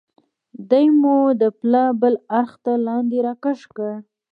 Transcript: دی مو د پله بل اړخ ته لاندې را کش کړ.